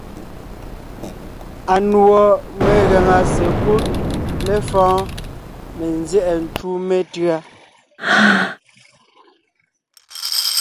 Anùɔ megàŋa sekúd lefɔ̌ɔn ne nzyɛ́ʼɛ ncú metʉ̌a.